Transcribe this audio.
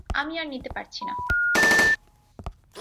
আমি আর নিতে পারছি না!